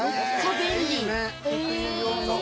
◆便利。